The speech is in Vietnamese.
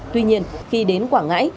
tuy nhiên khi đến quảng ngãi